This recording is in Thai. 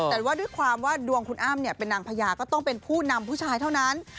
แต่ว่าด้วยความว่าดวงคุณอ้ำเป็นนางพญาก็ต้องเป็นผู้นำผู้ชายเท่านั้น